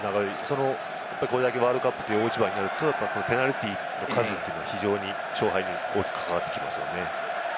これだけワールドカップって大一番だとペナルティーの数は非常に勝敗に大きく関わってきますね。